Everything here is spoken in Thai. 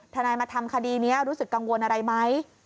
ทนายมาทำคดีนี้รู้สึกกังวลอะไรไหม